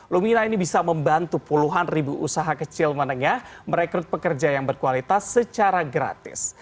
lumina ini bisa membantu puluhan ribu usaha kecil menengah merekrut pekerja yang berkualitas secara gratis